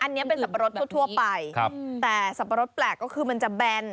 อันนี้เป็นสับปะรดทั่วไปครับแต่สับปะรดแปลกก็คือมันจะแบน